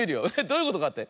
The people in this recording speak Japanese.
どういうことかって？